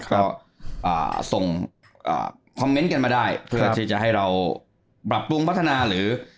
ก็อ่าส่งอ่ามาได้เพื่อที่จะให้เราปรับปรุงพัฒนาหรือ